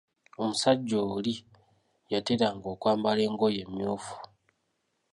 Omusajja oli yateranga okwambala engoye emyuufu.